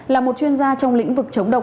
là một chuyên gia trong lĩnh vực chống độc